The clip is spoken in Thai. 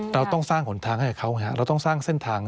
เราต้องสร้างหนทางให้เขาเราต้องสร้างเส้นทาง